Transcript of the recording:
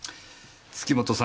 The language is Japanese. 月本さん。